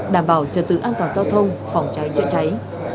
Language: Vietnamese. đảm bảo trật tự an toàn giao thông phòng cháy chữa cháy